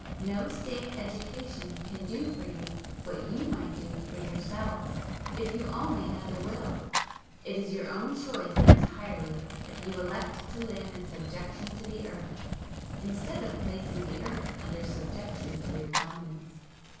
No State education can do for you what you might do for yourselves, if you only had the WILL. It is your own choice entirely if you elect to live in subjection to the earth, instead of placing the earth under subjection to your dominance.